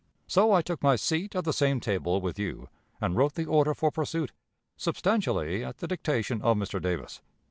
So I took my seat at the same table with you, and wrote the order for pursuit, substantially at the dictation of Mr. Davis.